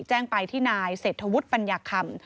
แจ้งไปที่นายเศรษฐวุฒิปัญญาคำ